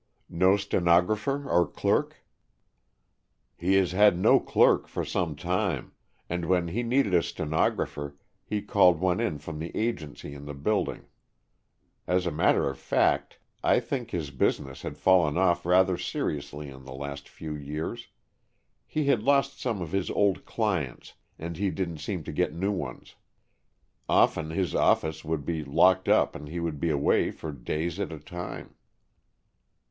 "No stenographer or clerk?" "He has had no clerk for some time, and when he needed a stenographer he called one in from the agency in the building. As a matter of fact, I think his business had fallen off rather seriously in the last few years. He had lost some of his old clients, and he didn't seem to get new ones. Often his office would be locked up and he would be away for days at a time."